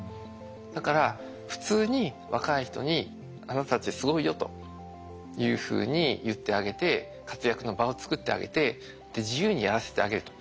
だから普通に若い人に「あなたたちすごいよ」というふうに言ってあげて活躍の場を作ってあげて自由にやらせてあげると。